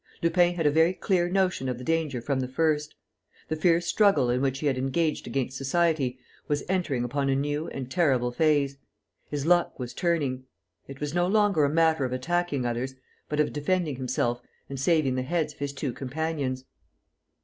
Lupin had a very clear notion of the danger from the first. The fierce struggle in which he had engaged against society was entering upon a new and terrible phase. His luck was turning. It was no longer a matter of attacking others, but of defending himself and saving the heads of his two companions.